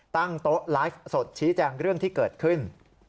ตั้งโต๊ะไลฟ์สดชี้แจงเรื่องที่เกิดขึ้น